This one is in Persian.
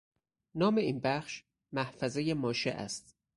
نام این بخش، محفظه ماشه است